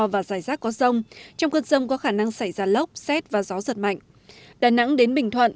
và dài rác có rông trong cơn rông có khả năng xảy ra lốc xét và gió giật mạnh đà nẵng đến bình thuận